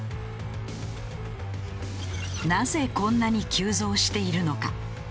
なぜこんなに急増しているのか？